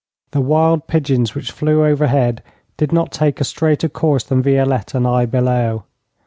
The wild pigeons which flew overhead did not take a straighter course than Violette and I below.